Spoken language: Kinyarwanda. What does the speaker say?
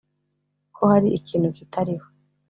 ko hari ikintu kitariho